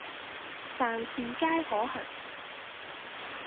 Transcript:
凡事皆可行